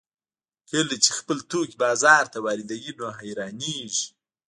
کله چې خپل توکي بازار ته واردوي نو حیرانېږي